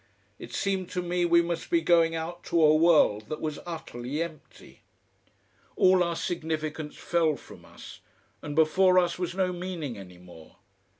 It seemed to me we must be going out to a world that was utterly empty. All our significance fell from us and before us was no meaning any more.